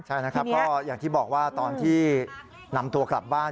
ใช่อย่างที่บอกว่าตอนที่นำตัวกลับบ้าน